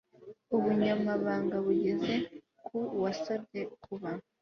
Ubunyamabanga bugeza ku wasabye kuba